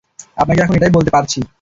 আপনাকে এখন এটাই বলতে পারছি।